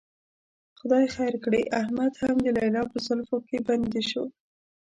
خدای خیر کړي، احمد هم د لیلا په زلفو کې بندي شو.